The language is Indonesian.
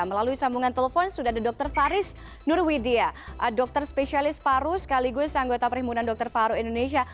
melalui sambungan telepon sudah ada dr faris nurwidia dokter spesialis paru sekaligus anggota perhimpunan dokter paru indonesia